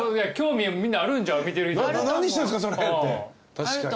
確かにね。